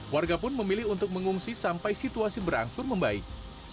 warga pun memilih untuk mengungsi sampai situasi berangsur membaik